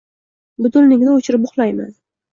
- Budilnikni o'chirib, uxlayman!